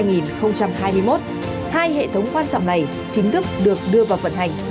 ngày một bảy hai nghìn hai mươi một hai hệ thống quan trọng này chính thức được đưa vào vận hành